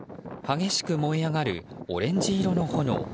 激しく燃え上がるオレンジ色の炎。